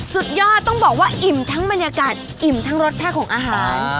สุดยอดต้องบอกว่าอิ่มทั้งบรรยากาศอิ่มทั้งรสชาติของอาหาร